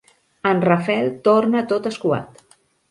En Rafel torna tot escuat.